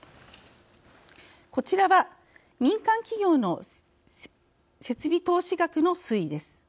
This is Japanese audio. こちらは民間企業の設備投資額の推移です。